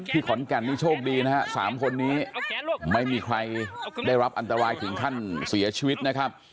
ขอนแก่นนี่โชคดีนะฮะ๓คนนี้ไม่มีใครได้รับอันตรายถึงขั้นเสียชีวิตนะครับ